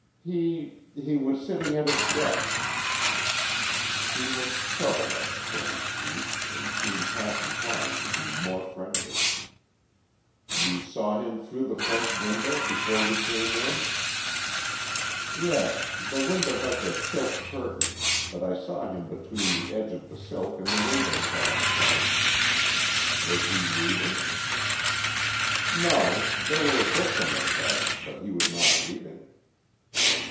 "He—he was sitting at his desk." She looked troubled at Stone's speech and seemed half inclined to be more friendly. "You saw him through the French window, before you came in?" "Yes; the window has a silk curtain, but I saw him between the edge of the silk and the window sash." "Was he reading?" "No; there were books on the desk, but he was not reading."